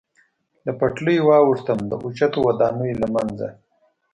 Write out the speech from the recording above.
له پټلۍ واوښتم، د اوچتو ودانیو له منځه.